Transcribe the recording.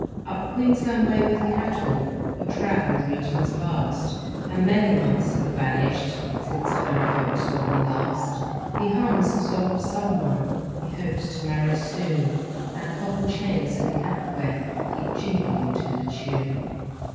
Up Queensland way with cattle He travelled regions vast; And many months have vanished Since home folk saw him last. He hums a song of someone He hopes to marry soon; And hobble chains and camp ware Keep jingling to the tune.